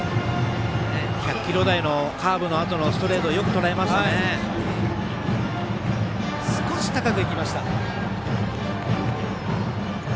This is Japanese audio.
１００キロ台のカーブのあとのストレートを少し高くいきました。